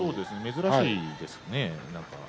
珍しいですね。